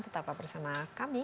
tetap bersama kami